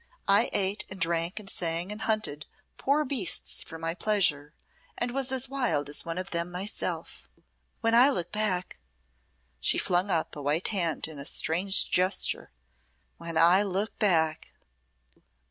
I ate and drank and sang and hunted poor beasts for my pleasure, and was as wild as one of them myself. When I look back!" she flung up a white hand in a strange gesture "When I look back!"